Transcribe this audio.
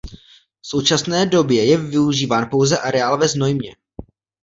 V současné době je využíván pouze areál ve Znojmě.